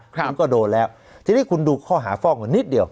คุณก็โดนแล้วทีนี้คุณดูข้อหาฟอกเงินนิดเดียว